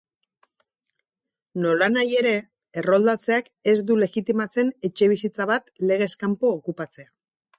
Nolanahi ere, erroldatzeak ez du legitimatzen etxebizitza bat legez kanpo okupatzea.